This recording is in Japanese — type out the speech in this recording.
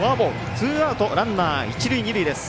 ツーアウト、ランナー一塁二塁です。